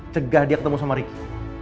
cegah dia ketemu sama ricky